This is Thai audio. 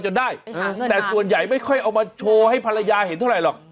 จนได้แต่ส่วนใหญ่ไม่ค่อยเอามาโชว์ให้ภรรยาเห็นเท่าไหร่หรอก